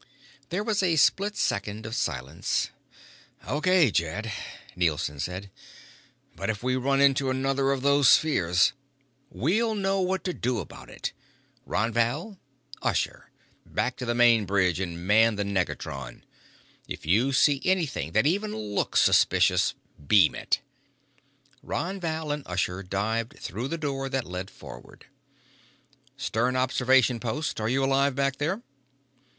There was a split second of silence. "Okay, Jed," Nielson said. "But if we run into another of those spheres " "We'll know what to do about it. Ron Val. Ushur. Back to the bridge and man the negatron. If you see anything that even looks suspicious, beam it." Ron Val and Usher dived through the door that led forward. "Stern observation post. Are you alive back there?"